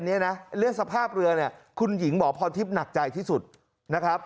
เนี่ยนะเรื่องสภาพเรือเนี่ยคุณหญิงหมอพรทิพย์หนักใจที่สุดนะครับ